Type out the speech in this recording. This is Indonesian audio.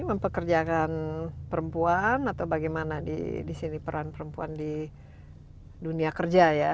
mempekerjakan perempuan atau bagaimana di sini peran perempuan di dunia kerja ya